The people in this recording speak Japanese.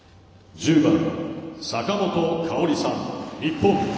１０番坂本花織さん、日本。